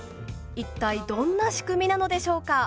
一体どんな仕組みなのでしょうか？